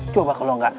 coba kalau enggak